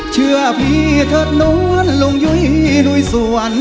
เชื่อพี่เถิดน้วนลุงยุ้ยลุยสวน